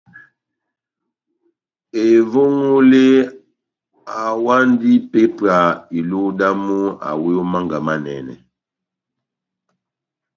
Evongole awandi ipépwa iluhu damu awi ó Mánga Manɛnɛ.